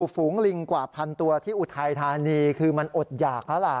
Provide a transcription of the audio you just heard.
ฝูงลิงกว่าพันตัวที่อุทัยธานีคือมันอดหยากแล้วล่ะ